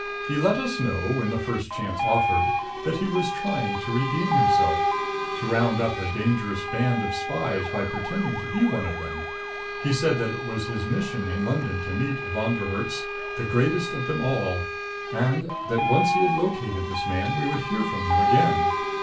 He let us know, when the first chance offered, that he was trying to redeem himself, to round up a dangerous band of spies by pretending to be one of them. He said that it was his mission in London to meet Von der Herts, the greatest of them all; and that, once he had located this man, we would hear from him again.